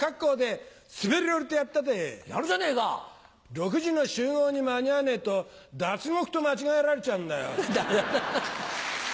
６時の集合に間に合わねえと脱獄と間違えられちゃうんだよ。